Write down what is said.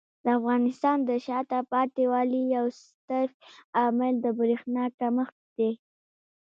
د افغانستان د شاته پاتې والي یو ستر عامل د برېښنا کمښت دی.